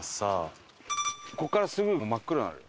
ここからすぐ真っ暗になるよ。